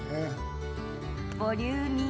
ボリューミー！